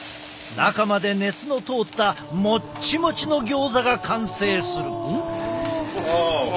中まで熱の通ったもっちもちのギョーザが完成する。